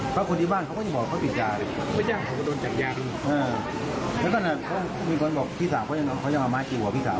เพราะคนที่บ้านเขาไม่ได้บอกว่าเขาติดยาแล้วก็มีคนบอกพี่สาวเขายังเอาไม้กินกว่าพี่สาว